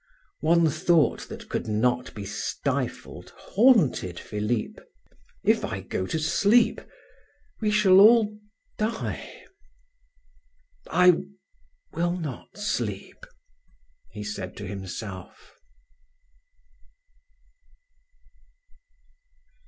One thought that could not be stifled haunted Philip "If I go to sleep, we shall all die; I will not sleep," he said to himself.